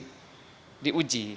seberapa baik kita bisa